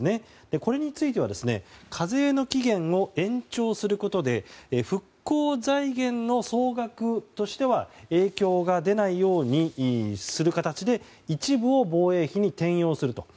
これについては、課税の期限を延長することで復興財源の総額としては影響が出ないようにする形で一部を防衛費に転用すると。